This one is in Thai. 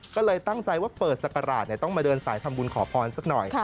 ก็เลยตั้งใจว่าเปิดศักราชต้องมาเดินสายทำบุญขอพรสักหน่อย